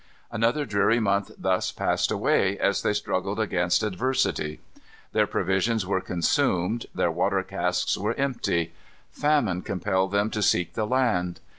Another dreary month thus passed away, as they struggled against adversity. Their provisions were consumed. Their water casks were empty. Famine compelled them to seek the land.